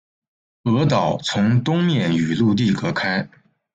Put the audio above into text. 鹅岛从东面与陆地隔开。